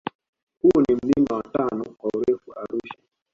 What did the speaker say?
Huu ni mlima wa tano kwa urefu Arusha